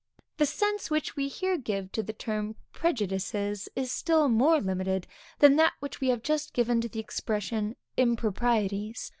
The sense which we here give to the term prejudices is still more limited than that which we have just given to the expression improprieties.